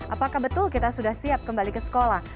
apakah betul kita sudah siap kembali ke sekolah